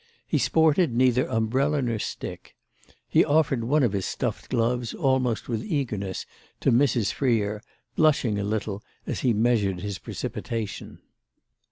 He sported neither umbrella nor stick. He offered one of his stuffed gloves almost with eagerness to Mrs. Freer, blushing a little as he measured his precipitation.